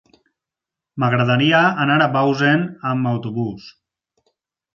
M'agradaria anar a Bausen amb autobús.